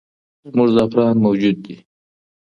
زموږ زعفران موجود وي.